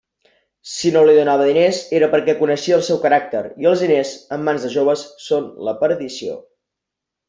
Si no li donava diners, era perquè coneixia el seu caràcter, i els diners, en mans de joves, són la perdició.